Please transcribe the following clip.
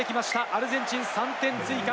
アルゼンチン３点追加。